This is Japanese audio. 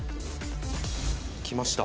来ました。